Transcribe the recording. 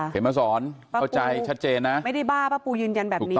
มาสอนเข้าใจชัดเจนนะไม่ได้บ้าป้าปูยืนยันแบบนี้